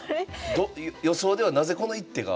予想ではなぜこの一手が。